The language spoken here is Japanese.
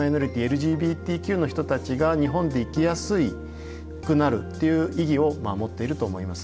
ＬＧＢＴＱの人たちが日本で生きやすくなるっていう意義を持っていると思います。